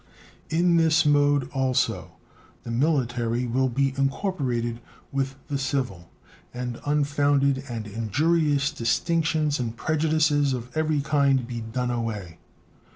In this mode, also, the military will be incorporated with the civil, and unfounded and injurious distinctions and prejudices of every kind be done away.